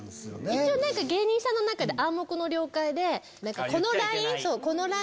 一応芸人さんの中で暗黙の了解でこのライン。